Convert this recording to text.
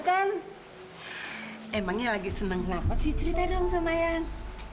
kan emangnya lagi senang kenapa sih cerita dong sama yang